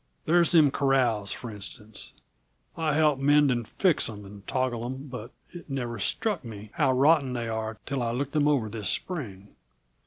There's them corrals, for instance: I helped mend and fix and toggle 'em, but it never struck me how rotten they are till I looked 'em over this spring.